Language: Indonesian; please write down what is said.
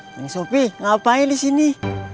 main sopi ngapain di sini